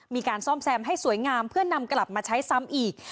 มีการซ่อมแซมให้สวยงามเพื่อนำกลับมาใช้ซ้ำอีก